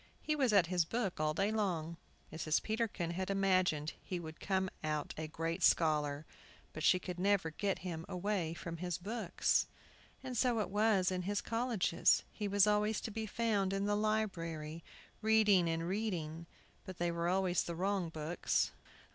He was at his book all day long. Mrs Peterkin had imagined he would come out a great scholar, because she could never get him away from his books. And so it was in his colleges; he was always to be found in the library, reading and reading. But they were always the wrong books.